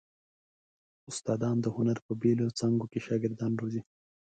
استادان د هنر په بېلو څانګو کې شاګردان روزي.